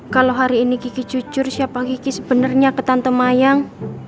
kalau hari ini gigi jujur siapa gigi sebenarnya ke tante mayang